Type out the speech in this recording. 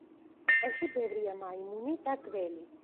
ტყეში ბევრია მაიმუნი და გველი.